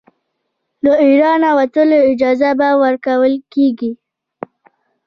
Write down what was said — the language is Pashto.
له اېرانه وتلو اجازه به ورکوله کیږي.